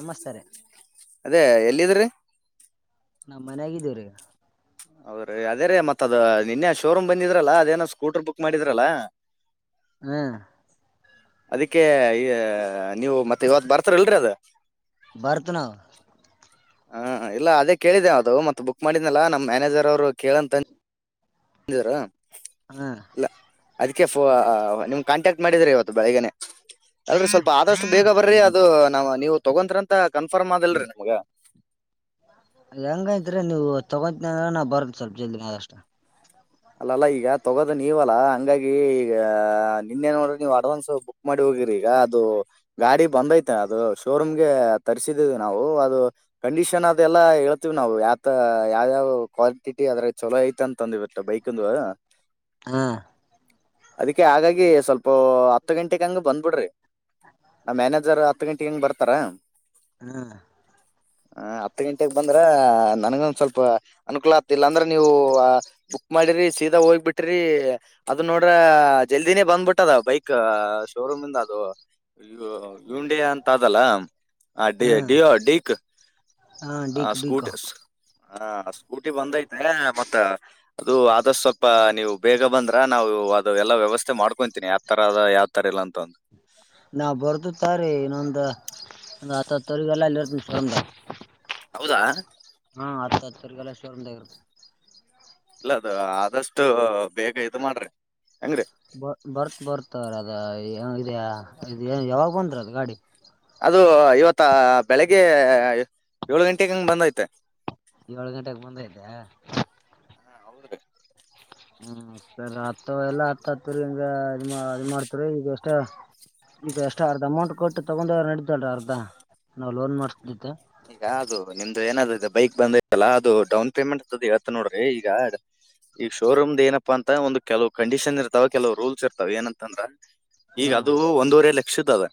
ನಮಸ್ತಾರೆ ಅದೇ ಎಲ್ಲಿದ್ರಿ ನಮ್ಮ್ ಮನ ಆಾಗಿದ್ದೀವ್ರ ಈಗ ಹೌದ್ರೀ ಅದೇ ರೇ ಮತ್ತತ್ದ ನಿನ್ನೆ ಶೋರೂಮ್ ಬಂದಿದ್ರಲ್ಲ ಅದೇನೋ ಸ್ಕೂಟರ್ ಬುಕ್ ಮಾಡಿದ್ರಲ್ಲ [inaudible] ಹ್ಮ ಅದಕ್ಕೆ ಈ ನೀವು ಮತ್ತೆ ಇವತ್ ಬರ್ತಾರಲ್ರರಿ ಅದ ಬರ್ತನ ಹಾ ಇಲ್ಲ ಅದೇ ಕೇಳಿದೆ ಅದು ಮತ್ತ ಬುಕ್ ಮಾಡಿದನಲ್ಲ ನಮ್ಮ್ ಮ್ಯಾನೇಜರ್ ಅವ್ರು ಕೇಳಂತ ಹ್ಮ ಇಲ್ಲ ಅದಕ್ಕೆ ನಿಮ್ ಕಾಂಟ್ಯಾಕ್ಟ್ ಮಾಡಿದ್ರ ಇವತ್ತು ಬೆಳಗ್ಗೆನೆ ಅಲ್ರರಿ ಸ್ವಲ್ಪ ಆದಷ್ಟು ಬೇಗ ಬರ್ರಿ ಅದು ನಮ್ಮ ನೀವು ತಗೊತ್್ರ ಅಂತ ಕನ್ಫರ್ಮ್ ಆದಲ್ರಿ ನಮ್ಗ ಹೆಂಗ ಇದ ಇದ್ರೆ ನೀವು ತಗೊತೀನ ನ ಬರದು ಸ್ವಲ್ಪ ಜಲ್ದಿಿನಷ್ಟ ಅಲ್ಲಲ್ಲ ಈಗ ತಗೋದು ನೀವ ಅಲ್ಲಾ ಹಂಗಾಗಿ ಈಗ ನಿನ್ನೇ ನೋಡ್ರಿ ನೀವ್ ಅಡ್ವಾನ್ಸ್ ಬುಕ್ ಮಾಡಿ ಹೋಗಿ ಈಗ ಅದು ಗಾಡಿ ಬಂದ್ ೈತೆ ಅದು ಶೋರೂಮ್ಗೆ ತರಿಸಿದ್ ನಾವು ಅದು ಕಂಡೀಷನ್ ಅದೆಲ್ಲ ಹೇಳ್ತಿವಿ ನಾವು ಮತ್ತ ಯಾವ್ಯಾವ ಕ್ವಾಂಟಿಟಿ ಅದ್ರ ಚಲೋ ಐತ ಅಂತಂದ್ ಬಿಟ್ಟ ಬೈಕ್ಂದು ಹಾ ಅದಕ್ಕೆ ಹಾಗಾಗಿ ಸ್ವಲ್ಪ ಹತ್ತು ಗಂಟೆಗಂಗ ಬಂದ್ಬಿಡ್ರಿ ನ ಮ್ಯಾನೇಜರ್ ಹತ್ತು ಗಂಟೆ ಹೆಂಗ ಬರ್ತಾರ ಹಾ ಹ ಹತ್ತು ಗಂಟೆಗೆ ಬಂದ್ರ ನನಗೊಂದ ಸ್ವಲ್ಪ ಅನುಕೂಲ ಆಗ್ತಿಲ್ಲ ಅಂದ್ರೆ ನೀವು ಮಾಡಿರಿ ಸೀದಾ ಹೋಗ್ಬಿಟ್ರಿ ಅದ ನೋಡ್ರ ಜಲ್ದಿನೇ ಬಂದ್ಬಿಟ್ಟದ ಬೈಕ್ ಶೋರೂಮ ಇಂದ ಅದು ಇ ಇಂಡಿಯಾ ಅಂತ ಅದಲ್ಲ ಆ ಹಾ ಡಿಯೋ ಡಿೀಕ್. ಹಾ ಡಿಕ್ ಡಿಕ್ ಹಾ ಸ್ಕೂಟಿ ಬಂದೈತೆ ಮತ್ತ ಅದು ಆದಷ್ಟ ಸ್ವಲ್ಪ ನೀವ್ ಬೇಗ ಬಂದ್ರ ನಾವು ಅದುಲ್ಲ ವ್ಯವಸ್ಥೆ ಮಾಡ್ಕೊಂತೀನಿ ಯಾವ್ ತರ ಅದ ಯಾವ್ ತರ ಇಲ್ ಅಂತ್ ರಾತ್ ಹತ್ ಹತ್ತುವರಿಗೆಲ್ಲ ಅಲ್ ಇರ್ತಿನ್ ಬಂದ್. ಹೌದ. [unintelligible] ಇಲ್ಲ ಅದು ಆದಷ್ಟು ಬೇಗ ಇದ್ ಮಾಡ್ರಿ. ಹೆಂಗ್ರೀ ಬ ಬರ್ತ್ ಬರ್ತವ್ರ ಅದ ಇದ್ ಏನ್ ಯಾವಾಗ್ ಬಂದ್ರ ಅದ್ ಗಾಡಿ. ಅದು ಇವತ್ತ ಬೆಳಗ್ಗೆ ಏಳು ಗಂಟೆಗೆ ಹಂಗ್ ಬಂದೈತೆ ಯೋಳ್ ಗಂಟೆಗ್ ಬಂದೈತ. ಹಾ ಹೌದ್ರೀ. ಹ್ಮ್ ಸರ್ ಹತ್ ಎಲ್ಲಾ ಹತ್ತು ಹತ್ತುವರಿ ಇಂದ ಇದ್ ಅದ್ ಮಾಡ್ತೀರಿ, ಈಗ್ ಅಷ್ಟ ಈಗ ಅಷ್ಟ ಅರ್ಧ ಅಮೌಂಟ್ ಕೊಟ್ಟು ತಗೊಂಡ್ ಹೋದ್ರ್ ನಡಿತೈತಲ್ಲ ಅರ್ಧ ನಾವು ಲೋನ್ ಮಾಡ್ಸಿದ್ದ. ಈಗ ಅದು ನಿಮ್ದು ಏನಾದ ಅದ್ ಬೈಕ್ ಬಂದೈತಲ್ಲ ಅದು ಡೌನ್ ಪೇಮೆಂಟ್ ಅ ಹೇಳ್ತಿನ್ ನೋಡ್ರಿ ಈಗ ಈ ಶೋರೂಮ್ದ್ ಏನಪ್ಪಾ ಅಂತ ಒಂದ್ ಕೆಲುವ್ ಕಂಡೀಷನ್ ಇರ್ತಾವ್ ಕೆಲುವ್ ರೂಲ್ಸ್ ಇರ್ತಾವ ಏನಂತಂದ್ರ. ಈಗ ಹ್ಮ್ ಅದು ಒಂದೂವರೆ ಲಕ್ಷದ್ ಅದ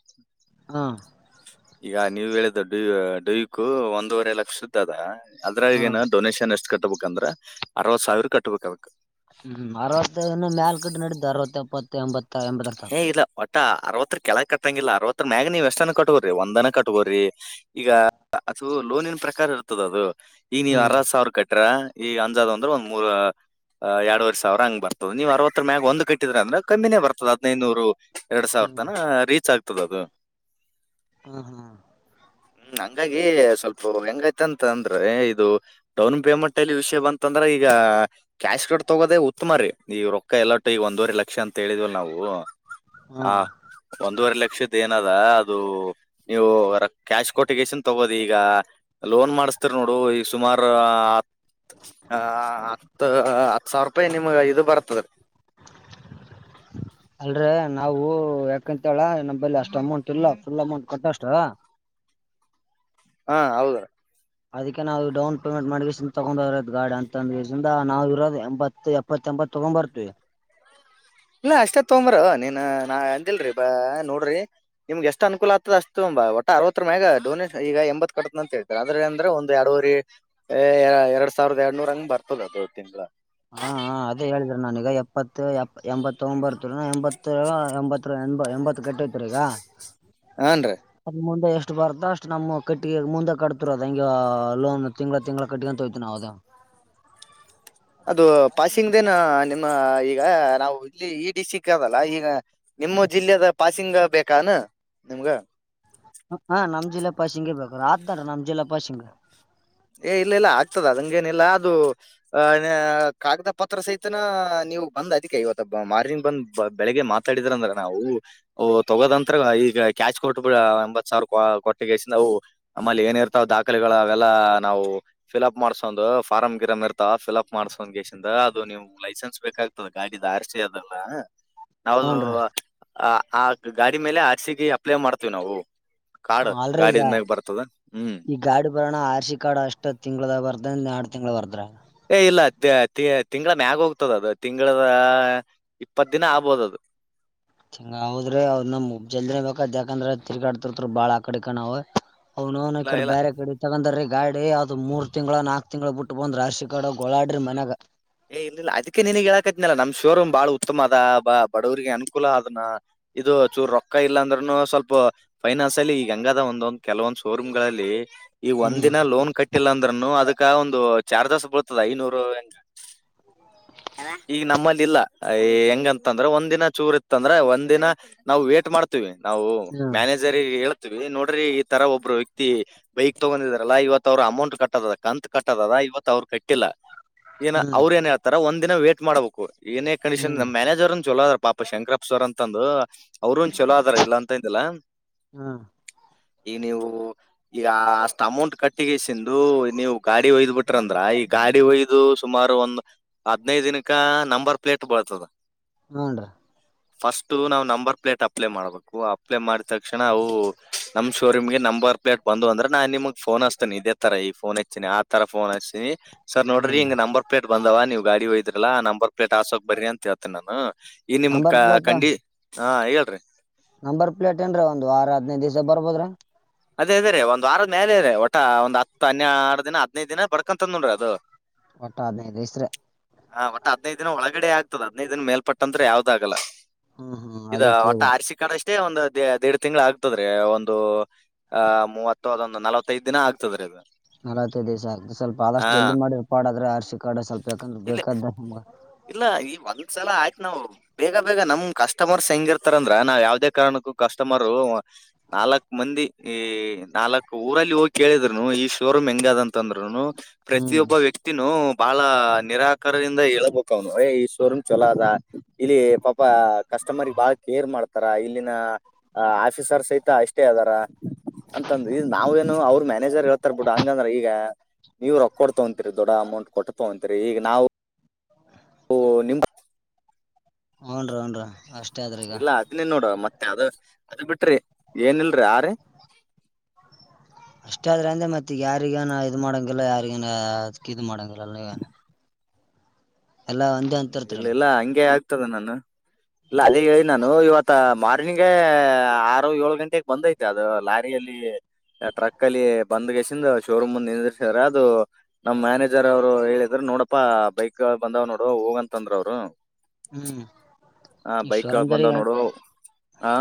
ಹ್ಮ್ ಈಗ ನೀವು ಹೇಳಿದ್ ಡು ಡ್ಯೂಕ್ ಒಂದೂವರೆ ಲಕ್ಷ್ಯದ್ ಅದ, ಅದ್ರಗನ ಹ್ಮ್ ಡೊನೇಷನ್ ಎಷ್ಟು ಕಟ್ ತಗೋಬೇಕಂದ್ರ ಅರವತ್ ಸಾವಿರ ಕಟ್ಬೇಕ್ ಅದಕ್ಕ. ಹ್ಮ್ ಅರವತ್ತನ್ನು ಮೇಲ್ ಕಟ್ಟ ನಡ್ದದ್ ಅರವತ್ತ ಎಪ್ಪತ್ತು ಎಂಬತ್ತು. ಹೇ ಇಲ್ಲ ಒಟ್ಟ ಅರವತ್ ಹತ್ರ ಕೆಳಕ್ ಕಟ್ಟಂಗಿಲ್ಲ ಅರವತ್ತತ್ರರ ಮ್ಯಾಗ್ ನೀವ್ ಎಷ್ಟನ ಕಟ್ಟ್ಗೋರಿ ಒಂದನ ಕಟ್ಟ್ಗೋರಿ ಈಗ ಅದು ಲೋನಿನ್ ಪ್ರಕಾರ ಇರ್ತದ್ ಅದು, ಈಗ ನೀನ್ ಹ್ಮ್ ಅರವತ್ ಸಾವಿರ ಕಟ್ ಬಿಟ್ರ ಈಗ್ ಅಂದಜ್ ಅಂದ್ರ ಒಂದ್ ಮೂರ್ ಆ ಎರಡುವರ್ ಸಾವಿರ ಹಂಗ ಬರ್ತದ ನೀವ್ ಅವತ್ತರ್ ಮ್ಯಾಗ ಒಂದ್ ಕಟ್ಟಿದ್ರ ಅಂದ್ರ ಕಮ್ಮಿನೇ ಬರ್ತದ. ಹದಿನೈನೂರು ಎರಡ್ ಸಾವಿರ ಹ್ಮ್ ತನ ರೀಚ್ ಆಗ್ತದ ಅದು. ಹ್ಮ ಹಾ. ಹ್ಮ್ ಹಂಗಾಗಿ ಸ್ವಲ್ಪ ಹೆಂಗೈತಂದ್ರ ಅಂದ್ರೆ ಇದು ಡೌನ್ ಪೇಮೆಂಟ್ ಅಲ್ಲಿ ವಿಷಯ ಬಂತಂದ್ ಅಂದ್ರೆ ಈಗ ಕ್ಯಾಶ್ ಕತ್ತಾ ಹೋಗೋದೇ ಉತ್ತಮ ರೀ ಈ ರೊಕ್ಕ ಎಲ್ಲೋಟಿಗೆ ಈಗ ಒಂದೂವರೆ ಲಕ್ಷ ಅಂತ ಹೇಳಿದ್ವಲ್ ನಾವು. ಹ ಹ ಹ್ಮ್ ಒಂದೂವರೆ ಲಕ್ಷದ್ ಏನ್ ಅದ ಅದು ನೀವು ಕ್ಯಾಶ್ ಕೊಟ್ಟಿಗೇಶನ್ ತಗೋರಿ ಈಗ ಲೋನ್ ಮಾಡಿಸ್ತೀರಿ ನೋಡ್ ಓ ಈ ಸುಮಾರ್ ಹ ಹತ್ತು ಹತ್ ಸಾವಿರೂಪಾಯ್ ನಿಮ್ಗೆ ಇದ್ ಬರ್ತದ. ಅಲ್ರೆ ನಾವು ಯಾಕಂತೇಳ ನಮ್ ಬಳಿ ಅಷ್ಟ ಅಮೌಂಟ್ ಇಲ್ಲ ಫುಲ್ ಅಮೌಂಟ್ ಕಟ್ಟಷ್ಟ. ಹಾ ಹೌದು. ಅದಕ್ಕೆ ನಾವ್ ಡೌನ್ ಪೇಮೆಂಟ್ ಮಾಡ್ ಗಾಸಿ ತಗೊಂಡ್ ಹೋದ್ರಾಯ್ತು ಗಾಡ್ ಅಂತಂದ್ ಕಾಸಿಂದ ನಾವಿರೋದ್ ಎಂಬಾತ್ ಎಪ್ಪತ್ ತಗೊಂಡ್ಬರ್ತಿವಿ. [unintelligible] ಇಲ್ಲ ಅಷ್ಟೇ ತಗೊಂಬರೋ ನೀನ್ ನಾ ಅಂದಿಲ್ರಿ ಬ ನೋಡ್ರಿ ನಿಮ್ಗ್ ಎಷ್ಟ್ ಅನುಕೂಲ ಆಗ್ತದ ಅಷ್ಟು ಒಟ್ಟ ಅರವತ್ತರ ಮ್ಯಾಗ ಡೊನೇಷನ್ ಈಗ ಎಂಬತ್ ಕಟ್ಟೀನ್ ಅಂತ್ ಹೇಳ್ತಾರ ಅದ್ರ ಅಂದ್ರೆ ಒಂದ್ ಎರಡುವರಿ ಎ ಎರಡ್ ಸಾವಿರದ್ ಎರಡ್ ನೂರ್ ಹಂಗ್ ಬರ್ತದ ಅದು ತಿಂಗ್ಲ. ಹಾ ಅದೇ ಹೇಳಿದ್ರಿ ನಾನೀಗ ಎಪ್ಪತ್ತು ಎ ಎಂಬತ್ತು ತಗೊಂಡ್ ಒಂಬರ್ತ್ ಎಂಬತ್ತು ಎಲ್ ಎಂಬತ್ರು ಎ ಎಂಬತ್ ಕಟ್ಟೈತ್ರಿ ಈಗ ಹಾನ್ರಿ ಅದ್ ಮುಂದ ಎಷ್ಟ್ ಎಷ್ಟ್ ಬರ್ತ ಅಷ್ಟು ನಮ್ ಕಟ್ಟಿಗೆಗ್ ಮುಂದ ಕತ್ತಿರೋದ್ ಹಂಗೋ ಲೋನ್ ತಿಂಗ್ಲ ತಿಂಗ್ಲ ಕಟ್ತಾಖ್ಯಾತ್ ಹೋಗ್ತಿವ್ ನಾವ್ ಅದು. [unintelligible] ಪಾಸಿಂಗ್ ದೇನ ನಿಮ್ಮ ಈ ಈಗ ನಾವು ಇಲ್ಲಿ ಈ ಡಿಸ್ಟಿಕ್ ಅದಲ್ಲ ಈಗ ನಿಮ್ಮ ಜಿಲ್ಲೆದ್ ಪಾಸಿಂಗ್ ಬೇಕಾನ. ನಿಮ್ಗ. ಹಾ ನಮ್ ಜಿಲ್ಲೆ ಪಾಸಿಂಗೇ ಬೇಕಾರ ಅತ್ಯೆನ್ರಿ ನಮ್ ಜಿಲ್ಲಾ ಪಾಸಿಂಗ್. ಏ ಇಲ್ಲ ಇಲ್ಲ ಆಗ್ತದ ಅದಂಗ ಏನಿಲ್ಲ ಅದು ಅ ಕಾಗದ ಪತ್ರ ಸಹಿತನ ನೀವು ಬಂದ್ ಅದಕ್ಕೆ ಇವತ್ತು ಮಾರ್ನಿ ಬಂದ ಬೆಳಿಗ್ಗೆ ಮಾತಾಡಿದ್ರ ಅಂದ್ರ ನಾವು ತೊಗದಂತ್ರ ಈಗ ಕ್ಯಾಶ್ ಕೊಟ್ ಬಿಡ ಎಂಬತ್ ಸಾವಿರ ಕೊಟ್ಟ ನಾವು ಆಮೇಲೆ ಏನ ಇರ್ತಾವ ದಾಖಲೆಗಳು ಅವೆಲ್ಲ ನಾವು ಫಿಲ್ಅಪ್ ಮಾಡ್ಸೊಂದು ಫಾರ್ ಗಿರಮ್ ಇರ್ತಾವ ಫಿಲ್ಅಪ್ ಮಾಡ್ಸೊ್ ಗೇಸ್ದ ಅದು ನಿಮ್ ಲೈಸೆನ್ಸ್ ಬೇಕ ಆಗ್ತದೆ ಗಾಡಿ ದಾರಸೆ ಅದಲ್ಲ ನಾದು ನೋಡ್ರಿ ಆ ಗಾಡಿ ಮೇಲೆ ಆಡ್ಸಿಕ ಅಪ್ಲೈ ಮಾಡ್ತೀವಿ ನಾವು ಹ ಕಾರ್ಡ್ ಅಲ್ರಿ ಈಗ ಗಾಡಿದ ಮ್ಯಾಗ ಬರ್ತದ ಹ್ಮ್ ಈ ಗಾಡಿ ಬರೋಣ ಆರ್ಸಿ ಕಾಡು ಅಷ್ಟ ಇಷ್ಟ ತಿಂಗಳದ ಬರ್ದ ನಾಡು ತಿಂಗಳುಳ ಬರ್ದ್ರ ಏ ಇಲ್ಲ ತಿಂಗಳ ಮ್ಯಾಗ ಹೋಗ್ತದ ಅದು ತಿಂಗಳದ ಇಪ್ಪತ್ ದಿನ ಆಗ್ಬೋದ ಅದು [unintelligible] ಚಂಗ ಹೋದ್ರೆ ಅದ್ ನ ಜಲ್ದಿನೇ ಬೇಕಾದ್ ಯಾಕಂದ್ರೆ ಅ ತಿರ್ಗಾಡ್ತಿರ್ತರು ಬಾಳ ಆಕಡೆ ಕಣ ಅವ್ ಅವ ನವನು ಈ ಇಲ್ಲ ಕಡೆ ಇಲ್ಲ ಬೇರೆ ಕಡೆ ತಗೊಂಡಂದ್ರೀ ಗಾಡಿ ಅದು ಮೂರ್ ತಿಂಗ್ಗಳ ನಾಕಕ್ ತಿಂಗ್ಳ ಬಿಟ್ಟು ಬಂದ್ ರಾಶಿ ಕಡ ಗೋಳಾಡ್ರಿ ಮನ್ಯಾಗ ಏ ಇಲ್ಲಿ ಇಿಲ್ಲ ಅದಕ್ಕೆ ನಿನಗ್ ಹೇಳಾಕತ್ತನಲ್ಲಾ ನಮ್ ಶೋರೂಮ್ ಬಾಳ ಉತ್ತಮ ಅದ ಬಾ ಬಡವರಿಗೆ ಅನುಕೂಲ ಅದನ ಇದು ಚೂರು ರೊಕ್ಕ ಇಲ್ಲ ಅಂದ್ರನು ಸ್ವಲ್ಪ ಫೈನಾನ್ಸ್ ಅಲ್ಲಿ ಈಗ ಗಂಗದ ಒಂದೊಂದ್ ಕೆಲವೊಂದ್ ಶೋರೂಮ್ಗಳಲ್ಲಿ ಈ ಒಂದ್ ಹ್ಮ್ ದಿನ ಲೋನ್ ಕಟ್ಟಿಲ್ಲ ಅಂದ್ರನು ಅದಕ್ಕ ಒಂದು ಚಾರ್ಜಸ್ ಬಳ್ತದ ಐನೂರು [unintelligible] ಈಗ ನಮ್ಮಲ್ಲಿ ಇಲ್ಲ ಹೆಂಗಂತಂದ್ರ ಒಂದ ದಿನ ಚೂರ್ ಇತ್ತಂದ್ರ ಒಂದನ ನಾವು ಮಾಡ್ತೀವಿ ನಾವು ಹ್ಮ್ ಮ್ಯಾನೇಜರ್ ನೋಡ್ರಿ ಈ ತರ ಒಬ್ರು ವ್ಯಕ್ತಿ ಬೈಕ್ ತಗೊಂಡಿದಾರಲ್ಲಾ ಇವತ್ ಅವ್ರ ಅಮೌಂಟ್ ಕಟ್ಟದ ಕಂತತ್ ಕಟ್ಟದದ ಇವತ್ ಅವ್ರ ಕಟ್ಟಿಲ್ಲ ಏನ ಹ್ಮ್ ಅವ್ರು ಏನ್ ಹೇತ ಒಂದ ದಿನ ವೇಟ್ ಮಾಡಬೇಕು ಏನೇ ಕಂಡೀಷನ್ ಹ್ಮ್ ನಮ್ಮನೇಜರ್ನ್ ಚೊಲೋದ ಪಾಪ ಶಂಕರಪ್ಪ ಸವರ್ ಅಂತಂದು ಅವ್ರೂನ್ ಚಲೋ ಅದಾರ ಇಲ್ಲ ಅಂತಿಂದಿಲ್ಲ ಹ್ಮ್ ಈ ನೀವು ಈಗ ಅಷ್ಟ ಅಮೌಂಟ್ ಕಟ್ಟಿಗೆಸಂದು ನೀವು ಗಾಡಿ ಹ ಒಯ್ದ್ ಬಿಟ್ರಂದ್ರ ಈಗ ಗಾಡಿ ಒಯ್ದು ಸುಮಾರು ಒಂದ್ ಹದ್ನೈದು ದಿನಕ ನಂಬರ್ ಪ್ಲೇಟ್ ಬರ್ತದ ಹನ್ ಫಸ್ಟ್ ನಾವ್ ನಂಬರ್ ಪ್ಲೇಟ್ ಅಪ್ಲೈ ಮಾಡ್ಬೇಕು ಅಪ್ಲೈ ಮಾಡಿದ ತಕ್ಷಣ ಅವು ನಮ್ ಶೋರೂಮ್ಗೆ ನಂಬ ಬರ್ ಪಲೇಟ್ ಬ ಅಂದ್ರ ನಾನ್ ನಿಮ್ ಫೋನ್ ಹಚ್ತೇನೆ ಇದೇ ತರ ಈಫನ್ ಹಚ್ತೀಿನಿ ಆ ತರಫೋನ್ ಹಚ್ತಿನಿ ಸರ್ ಹ್ಮ್ ನೋಡಿಂಗ ನಂಬರ್ ಪ್ಲೇಟ್ ಬಂದವ ನೀವು ಗಾಡಿ ಹಯದ್ರಲ್ಲಾ ನಂಬರ್ ಪ್ಲೇಟ್ ಆಸೋಗ ಬರಿ ಅಂತ ಹೇತೇಿ ನಾನು ಈ ನಿಮ್ ಕ ನಂಬರ್ ಪ್ಲೇಟ್ ಕಂಡಿ ಹಾ ಹೇಳ್ರಿ ನಂಬರ್ ಪ್ಲೇಟ್ ಏನ್ರೀ ಒಂದು ವಾರ ಹದ್ನೈದು ದಿವ್ಸ ಬರ್ಬೋದ್ರ ಅದೇ ಅದೇ ರೀ ಒಂದವಾರದ್ ಮೇಲೆ ಇ ರೇ ಒಟ ಒಂದ್ ಹತ್ತು ಹನ್ನೆರಡು ದಿನ ಹದನೈದ್ ದಿನ ಬಡ್ಕಂತಂದ ನೋಡರಿ ಅದು ಒಟ್ಟ ಹದಿನೈದು [unintelligible] ಹ ಒಟ್ಟಟ್ ಹದನೈದ ದಿನ ಒಳಗಡೆ ಆಗ್ತದ ಹದನೈದ ದಿನ ಮೇಲ್ಪಟ್ಟಂತ್ರ ಯಾವ್ದಾಗಲ್ಲ ಹ್ಮ್ ಹ್ಮ್ ಇದ ಅದೇ ಒಟ್ಟ ಕೇಳಿದೆ ಆರಸಿ ಕಾಡ ಅಷ್ಟೇ ಒಂದು ದ ದೇಡ್ ತಿಂಗಳ ಆಗ್ತದ್ರೀ ಒಂದು ಆಹ ಮೂವತ್ತು ಅದೊಂದು ನಲವತ್ತೈದು ದಿನ ಆಗ್ತದ ರೀ ಅದು ನಲವತ್ತೈದು ದಿವಸ ಅ ಸ್ವಲ್ಪ ಹಾ ಆದಷ್ಟು ಜಲ್ದಿ ಮಾಡಿ ರುಪಾಡಾದ್ರೆ ಅರ್ಸಿ ಕಾಡೆ ಸ್ವಲ್ಪ ಯಾಕಂದ್ರ ಇಲ್ಲ ಬೇಕಾದ್ದ ಹ ಇಲ್ಲ ಈ ಒಂದ ಸಲ ಆಯ್ತು ನಾವು ಬೇಗ ಬೇಗ ನಮ್ ಕಸ್ಟಮರ್ಸ್ ಹೆಂಗಿರ್ತಾರಂದ್ರ ನಾವ್ ಯಾವ್ದೇ ಕಾರಣಕ್ಕೂ ಕಸ್ಟಮರ್ ನಾಲ್ಕ್ ಮಂದಿ ಈ ನಾಲ್ಕ್ ಊರಲ್ಲಿ ಹೋಗಿ ಕೇಳಿದ್ರುನು ಈ ಶೋರೂಮ್ ಹೆಂಗ ಅದಂತಂದ್ರುನು ಹ್ಮ್ ಪ್ರತಿಯೊಬ್ಬ ವ್ಯಕ್ತಿನೂ ಬಹಳ ನಿರಾಕಾರದಿಂದ ಹೇಳಬಹ ನು ಏ ಈ ಶೋರೂಮ್ ಚಲೋ ಅದ ಇಲ್ಲಿ ಪಾಪ ಕಸ್ಟಮರ್ ಬಾಳ ಕೇರ್ ಮಾಡ್ತಾರ ಇಲ್ಲಿನ ಆಫೀಸರ್ ಸಹಿತ ಅಷ್ಟೇ ಅರ ಅಂತಂದ ನಾವ ಏನು ಅವ್ರ ಮ ಮನೇರ್ ಹೇಳ್ತಾರ್ ಬಿಟ್ಟು ಹಂಗಂದ್ರ ಈಗ ನೀವ್ ರೊಕ್ಕ ಕೊಡ್ತಂತೀರಿ ದೊಡ್ಡ ಅಮೌಂಟ್ ಕೊಟ್ಟತವಂತೀರಿ ಈಗ ನಾವು ಓ ನಿಮ ಹ್ನ್ರ ಹನ್ರೀ ಇಲ್ಲ ಅದನ್ನೇ ನೋಡುವ ಮತ್ತೆ ಅದ ಅದು ಬಿಟ್ರಿ ಏನ ಇಲ್ರಿ ಯಾರೀ ಇಷ್ಟ ಆದ್ರ ಅ್ರೆ ಮತ್ತತ್ ಯಾರಿಗನ ಇದ್ ಮಾಡಂಗಿಲ್ಲ ಯಾರಿಗನ ಅದ ಇ ಮಾಡಂಗಿಲ್ಲ ಅನ ಎಲ್ಲಾ ಒಂದೇ ಅಂತರ್ತಲ್ಲ ರ್ತದ ನಾನ ಇಲ್ಲ ಅಲ್ಲಿ ಹೇಳ ನಾನು ಇವತ್ತ ಮಾರ್ನಿಂಗಗೆ ಆರು ಏಳು ಗಂಟೆಗೆ ಬಂದೈತೆ ಅದು ಲಾರಿ ಲ್ಲಿ ಟ್ರಕ್ ಅಲ್ಲಿ ಬಂದ್ಗಸಿಂದ ಶೋರೂಮ್ಂದ ನಿಂತಿರ್ತ್ರ ಅದು ನಮ್ ಮ್ಯಾನೇಜರ್ ಅವ್ರು ಹೇಳಿದ್ರ ನೋಡಪ್ಪಾ ಬೈಕ್ ಬಂದಾವ್ ನೋಡ ಹೋಗ ಅಂತಂದ್ರ ಅವ್ರು ಹ್ಮ್ ಹ ಈ ಬೈಕ್ ಶೋರೂಂ ಬಂದಾವ್ ನೋಡು ಆ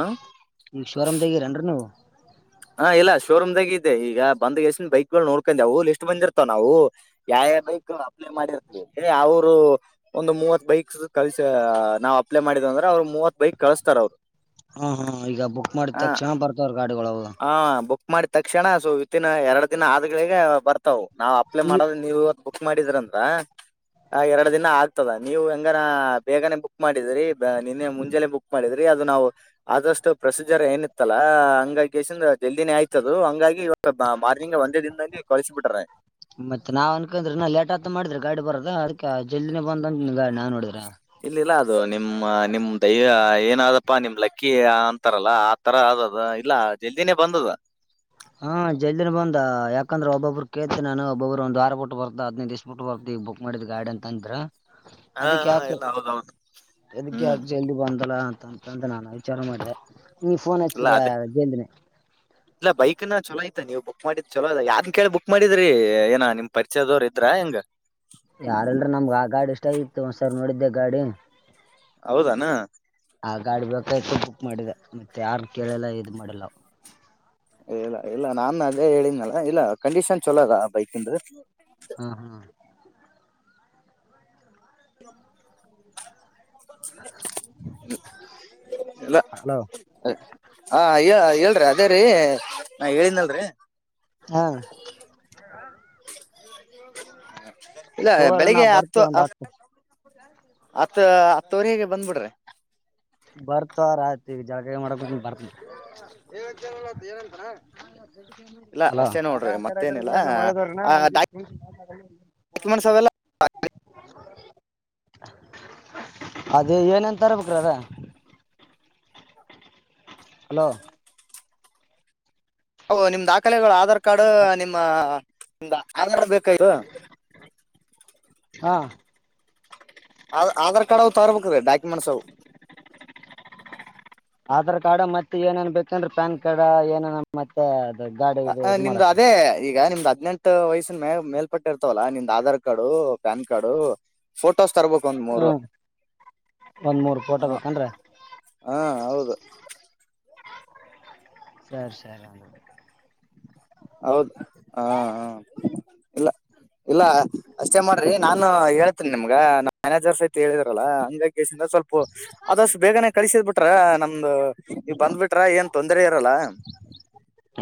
ಶೋರೂಂ ರನ್ರು ನೀವು ಹಾ ಇಲ್ಲ ಶೋರೂಮ್ ದಾಗ ಇದೆ ಈಗ ಬಂದ್ ಎಷ್ಟನ್ ಬೈಕ್ ಗಳು ನೋಡ್ಕೊಂಡೆವು ಲಿಸ್ಟ್ ಬಂದಿರ್ತಾವ ನಾವು ಯಾವ್ಯಾವ ಬೈಕ್ ಅಪ್ಲೈ ಮಾಡಿರ್ತವಿ ಅವ್ರು ಅವರು ಒಂದು ಮೂವತ್ ಬೈಕ್ ಕಲಸ ನಾವ್ ಅಪ್ಲೈ ಮಾಡಿದ ಅಂದ್ರೆ ಅವ್ರು ಮೂವತ್ ಬೈಕ್ ಕಳಸ್ತಾರ ಅವ್ರು ಹಾ ಹಾ ಈಗ ಬುಕ್ ಮಾಡಿದ ತಕ್ಷ್ಣ ಬರ್ತವ್ರ ಗಾಡಿಗಳು ಹ ಬುಕ್ ಮಾಡಿದ ತಕ್ಷಣ ಸೊ ವಿತನ್ ಎರಡು ದಿನ ಆದ್ಗಳಿಗೆ ಬರ್ತವು ನಾವ್ ಅಪ್ಲೈ ಮಾಡದ ನೀವ್ ಇವತ್ ಬುಕ್ ಮಾಡಿದೀರಂದ್ರ ಹ ಎರಡ್ ದಿನ ಆಗ್ತದ ನೀವು ಹೆಂಗನ ಬೇಗನೆ ಬುಕ್ ಮಾಡಿದ್ರಿ ನಿನ್ನೆ ಮುಂಜೆಾನನೆ ಬುಕ್ ಮಾಡಿದ್ರಿ ಅದು ನಾವು ಆದಷ್ಟು ಪ್ರೊಸೀಜರ್ ಏನಿತ್ತಲ್ಲ ಹಂಗ ಜಲ್ದಿನೇ ಆಯ್ತದ ಹಂಗ ಮಾರ್ಿನಂಗ ಒಂದೇ ದಿನದದಲ್ಲಿ ಕಳಿಸಿ ಬಿಟ್ರ ಮತ್ತೆ ಅದ ಅದಕ ಜಲ್ದಿನೇ ಬಂದಂತ ನಾನ್ ನೋಡಿದ್ರ ಇಲ್ಲಿಲ್ಲ ಅದು ನಿಮ್ಮ ನಿಮ್ ದೈವ ಏನಾದಪ್ಪಾ ನಿಮ್ ಲಕ್ಕಿ ಅಂತಾರಲ್ಲ ಆತರ ಅದದು ಇಲ್ಲ ಜಲ್ದಿನೇ ಬಂದದು ಹ ಹಾ ಜಲ್ದಿನ ಬಂದ ಯಾಕಂದ್ರೆ ಒಬ್ಬೊಬ್ಬರು ಕೇತತಿ ನಾನು ಒಬ್ಬಬ್ರು ಒಂದು ವಾರ ಬಿಟ್ಟ ಬರ್ದ ಹದ್ಿನದು ದಿವ್ ಬಿಟ್ಟು ಬರ್ತ ಬುಕ್ ಮಾಡಿದ್ ಗಾಡಿ ಅಂತ ಅಂದ್ರ ಹಾ ಅದಕ್ಕೆ ಯಾಕೆ ಇಲ್ಲ ಹೌದೌದು ಅದಕ್ಕೆ ಯಕ ಹ್ಮ್ ಜಲ್ದಿ ಬಂದಲ್ಲ ಅಂತ ಂತ ನಾನ ವಿಚಾರ ಮಾಡಿದೆ ನೀ ಫೋನ್ ಇಲ್ಲ ಹಚ್ಚಿರ ಅದೇ ಜಲ್ದಿನೇ ಇಲ್ಲ ಬೈಕ್ ನ ಚಲಾಯತ ನೀವು ಬುಕ್ ಮಾಡಿದ್ ಚಲೋ ಅದ ಯ್ ಕೇಳಿ ಬುಕ್ ಮಾಡಿದ್ರಿ ಏನ ನಿಮ್ ಪರಿಚಯದವರ್ ಇದ್ರ ಹೆಂಗ ಯಾರಲ್ರ ನಮ್ಗೆ ಆ ಗಾಡಿ ಇಷ್ಟ ಇತ್ತು ಒಂದ್ಸರ್ ನೋಡಿದ್ದೆ ಗಾಡಿ ಹೌದನಾ ಆ ಗಾಡಿ ಬೇಕಾಯ್ತು ಬುಕ್ ಮಾಡಿದೆ ಮತ್ತೆ ಯಾರ್ ಕೇಳೆಲ್ಲ ಇದ್ ಮಾಡಿಲ್ಲ ಇಲ್ಲ ಇಲ್ಲ ನಾನನ್ ಅದೇ ಹೇಳಿದನಲ್ಲ ಇಲ್ಲ ಕಂಡೀಷನ್ ಚಲೋ ಅದ ಬೈಕ ಇಂದು ಹ್ಮ ಹ್ಮ್ [unintelligible] ಎಲ್ಲ ಹಲೋ ಹ ಅಯ್ಯ ಹೇಳ್ರಿ ಅದೇ ರೀ ನಾ ಹೇಳಿದಲ್ರರಿ ಹಾ ಇಲ್ಲ ತೋರ ನ ಬರ್ತೀರ ಒಂದು ಹತ್ತು ಹತ್ತ ಹತ್ತವರೆ ಹೇಗೆ ಬಂದ್ಬಿಡ್ರೆ ಬರ್ತಾರ ಆಯ್ತು ಈಗ ಜಾಕಾಯಿ ಮಾಡಕ ಬರ್ತ ಂತಲ್ಲದು ಏನಂತ ಇಲ್ಲ ಅ ಅಷ್ಟೇ ನೋಡ್ರಿ ಆಡೆ ಆಕಡೆ ಮತ್ತೇನಿಲ್ಲ ಮಾಡದವ್ರ ಡ ಆ ಡಾಕ್ಯುಮೆಂಟ್ಸ್ ಅವೆಲ್ಲ ಅದೇ ಏನನ್ ತರಬೇಕ್ರ ಅದ ಹಲೋ ಹ ನಿಮ ದಾಖಲೆಗಳು ಆಧಾರ್ ಕಾರ್ಡ್ ನಿಮ್ಮ ನಿಮ್ದ ಆಧಾರ್ ಬೇಕಾಯ್ತು ಹಾ ಅ ಆಧಾರ್ ಕಾರ್ಡ್ ಅವವು ತರ್ಬೇಕ್ರ ಡಾಕ್ಯುಮೆಂಟ್ಸ್ ಅವು ಆಧಾರ್ ಕಾರ್ಡ್ ಮತ್ತೆ ಏನೇನ್ ಬೇಕಂದ್ರೆ ಪ್ಯಾನ್ ಕಾರ್ಡ್ ಏನೇನ ಮತ್ತೆ ನಿಮ್ದು ಅದೇ ಈಗ ನಿಮ್ದ ಹದ್ನೆಂಟ್ ವಯಸ್ಸಿನ ಮೇ ಮೇಲ್ಪಟ್ಟ ಇರ್ತವಲ್ಲಾ ನಿಮ Aadhaar card PAN card photo photos ತರ್ಬೇಕು ಒಂದ್ ಹ್ಞೂ ಮೂರು ಒಂದು ಮೂರು ಫೋಟೋ ಹಾ ಬೇಕೇನ್ರಿ ಹಾ ಹೌದು ಸರಿ ಸರಿ ಹ ಹೌದು ಹಾ ಹ ಇಲ್ಲ ಇಲ್ಲ ಅಷ್ಟೇ ಮಾಡ್ರಿ ನಾನನ್ ಹೇಳ್ತೇನಿ ನಿಮ್ಗ ನಾ ಮ್ಯಾನೇಜರಸ್ ತೆ ಹೇಳಿದ್ರಲ್ಲಾ ಹಂಗಾಗಿ ಸ್ವಲ್ಪ ಅದಷ್ಟು ಬೇಗನೆ ಕಳಸಿದ್ ಬಿಟ್ರ ನಮ್ದು ನೀವ್ ಬಂದ್ಬಿಟ್ಟ ಟ್ರ ಏನ್ ತೊಂದರೆ ಇರಲ್ಲ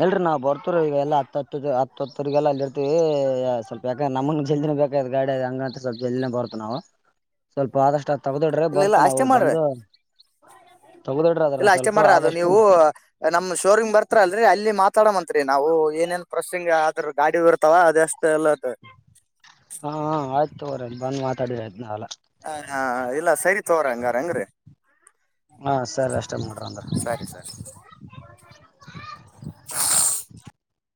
ಎಲ್ರಿ ನಾವವು ಬರ್ತವ ಈಗ ಎಲ್ಲಾ ಹತ್ತ ಹ ಹತ್ತ ಹತ್ತರಿಗೆಲ್ಲಾ ಅಲ್ಲಿ ಇರ್ತೀವಿ ಸ್ವಲ್ಪ ಯಾಕಂದ ನಮಗ್ ಜಲ್ದಿ ಬೇಕ್ ಗಾಡಿ ಹಂಗಂತ ಸ್ವಲ್ಪ ಎಲ್ಲಿ ಬರ್ತಾನವ ಸ್ವಲ್ಪ ಆದಷ್ಟು ತಗ್ದಿಟ್ರೆ ಇಲ್ಲ ಇಲ್ಲ ಅಷ್ಟೇ ಬರ್ತಾನವ್ವ ಮಾಡ್ರಿ ಬಂದು ತೆಗ್ದಿಡ್ರಿ ಇಲ್ಲ ಅದನ್ನು ಅಷ್ಟೇ ಸ್ವಲ್ಪ ಮಾಡ್ರಿ ಅದು ಆದಷ್ಟು ನೀವು ನಮ್ ಶೋರೂಮ್ ಬರ್ತರ ಅಲ್ರಿ ಅಲ್ಲಿ ಮಾತಾಡ ಅಂತ್ರಿ ನಾವು ಏನೇನ್ ಪ್ರೋಸಿಂಗ್ ಆದ್ರ ಗಾಡಿ ಇರ್ತಾವ ಅದಷ್ಟ ಎಲ್ಲದ ರೆ ಬಂದ್ ಮಾತಾಡಿ ಆಯ್ತು ನಾವೆಲ್ಲ ಹ ಹಾ ಇಲ್ಲ ಸರಿ ತಗೋರಿ ಹಂಗಂದ್ರಿ ಹಾಂ ಸರಿ ಅಷ್ಟೇ ಮಾಡ್ರ ಅಂದ್ರ [inaudible]